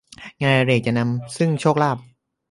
งานอดิเรกจะนำมาซึ่งโชคลาภ